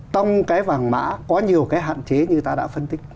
trong cái vàng mã có nhiều cái hạn chế như ta đã phân tích